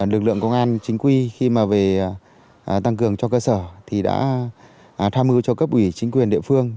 lực lượng công an chính quy khi mà về tăng cường cho cơ sở thì đã tham mưu cho cấp ủy chính quyền địa phương